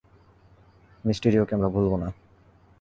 মিস্টিরিওকে আমরা ভুলব না!